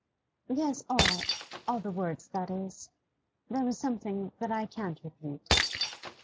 'Yes, all; all the words, that is. There was something that I can't repeat.